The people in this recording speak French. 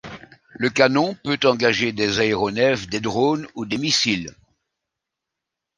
Le canon peut engager des aéronefs, des drones ou des missiles.